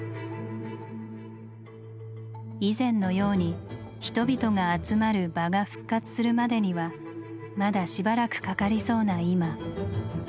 以前のように人々が集まる「場」が復活するまでにはまだしばらくかかりそうな今。